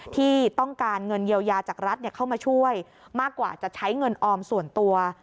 ที่ต้องการเงินเยียวยาจากรัฐเข้ามาช่วยมากกว่าจะใช้เงินออมส่วนตัว